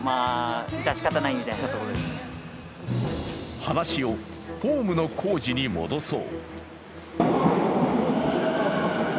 話をホームの工事に戻そう。